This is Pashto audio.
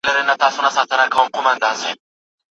مصنوعي ذکاوت کولای شي د انسان غږ په سمدستي ډول وپېژني.